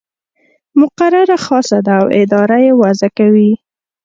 مقرره خاصه ده او اداره یې وضع کوي.